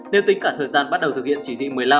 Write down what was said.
nếu tính cả thời gian bắt đầu thực hiện chỉ thị một mươi năm